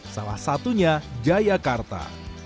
salah satunya jayakarta